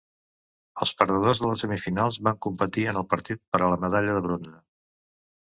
Els perdedors de les semifinals van competir en el partit per a la medalla de bronze.